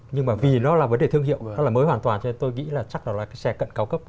nhưng mà vì nó là vấn đề thương hiệu nó là mới hoàn toàn cho nên tôi nghĩ là chắc là loại cái xe cận cao cấp